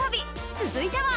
続いては。